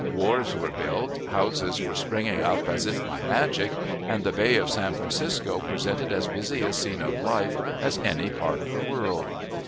Wharves were built, houses were springing up as if by magic, and the Bay of San Francisco presented as busy a scene of life as any part of the world.